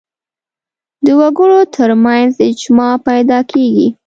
د وګړو تر منځ اجماع پیدا کېږي